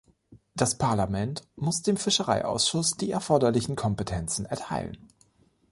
Das Parlament muss dem Fischereiausschuss die erforderlichen Kompetenzen erteilen.